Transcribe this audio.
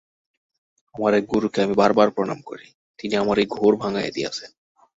আমার গুরুকে আমি বার বার প্রণাম করি, তিনি আমার এই ঘোর ভাঙাইয়া দিয়াছেন।